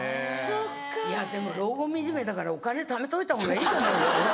いやでも老後みじめだからお金ためといたほうがいいと思う。